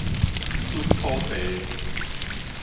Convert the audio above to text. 捽土地